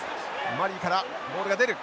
マリーからボールが出る。